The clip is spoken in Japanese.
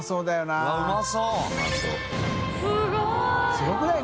すごい。